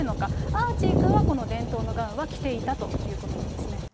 アーチーくんはこの伝統のガウンは着ていたということなんですね。